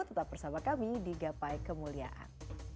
tetap bersama kami di gapai kemuliaan